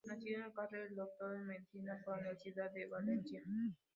Nacido en Carlet, es Doctor en medicina por la Universidad de Valencia.